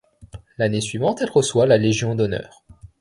L'année suivante, elle reçoit la Légion d'honneur.